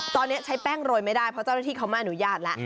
ตอนนี้ใช้แป้งโรยไม่ได้เพราะเจ้าหน้าที่เขาไม่อนุญาตแล้ว